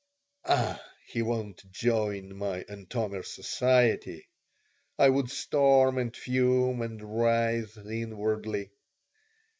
"Ah, he won't join my Antomir Society!" I would storm and fume and writhe inwardly.